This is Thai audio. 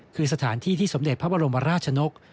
คือสถานที่ที่สมเด็จพระบรมราชนก